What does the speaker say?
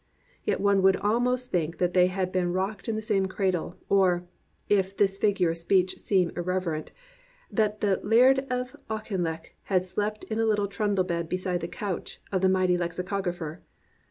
Yet one would almost think that they had been rocked in the same cradle, or, (if this figure of speech seem irreverent,) that the Laird of Auchinleck had slept in a Httle trundle bed beside the couch of the Mighty Lexicographer.